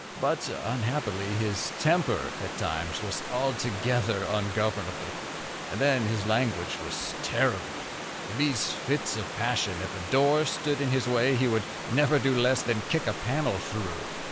But unhappily his temper at times was altogether ungovernable, and then his language was terrible. In these fits of passion, if a door stood in his way he would never do less than kick a panel through.